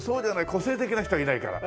個性的な人はいないから。